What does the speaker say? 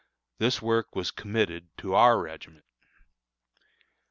This work was committed to our regiment.